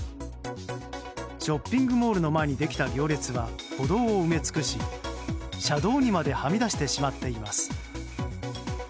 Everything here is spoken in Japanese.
ショッピングモールの前にできた行列は歩道を埋め尽くし、車道にまではみ出してしまっています。